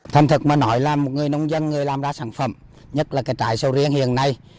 thành thực mà nói là một người nông dân người làm ra sản phẩm nhất là cái trái sầu riêng hiện nay